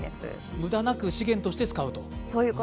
無駄なく資源として使うと。